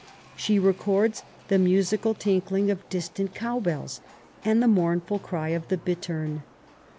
She records the musical tinkling of distant cow bells and the mournful cry of the bittern.